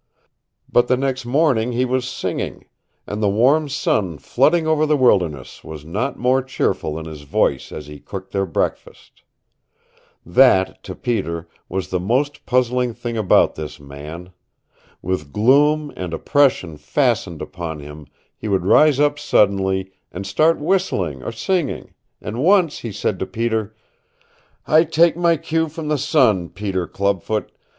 But the next morning he was singing, and the warm sun flooding over the wilderness was not more cheerful than his voice as he cooked their breakfast. That, to Peter, was the most puzzling thing about this man. With gloom and oppression fastened upon him he would rise up suddenly, and start whistling or singing, and once he said to Peter, "I take my cue from the sun, Peter Clubfoot.